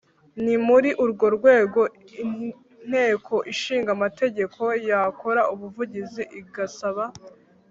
Ni muri urwo rwego Inteko ishingamategeko yakora ubuvugizi igasaba